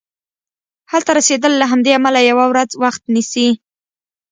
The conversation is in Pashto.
هلته رسیدل له همدې امله یوه ورځ وخت نیسي.